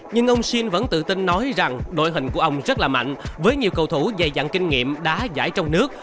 nhưng ông siên vẫn tự tin nói rằng đội hình của ông rất là mạnh với nhiều cầu thủ dày dặn kinh nghiệm đá giải trong nước